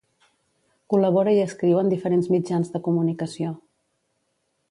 Col·labora i escriu en diferents mitjans de comunicació.